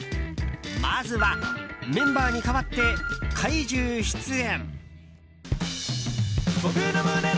まずはメンバーに代わって怪獣出演！